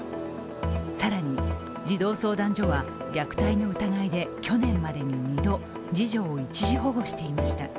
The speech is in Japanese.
更に、児童相談所は虐待の疑いで去年までに２度、次女を一時保護していました。